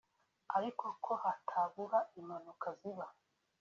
ariko ko hatabura impanuka ziba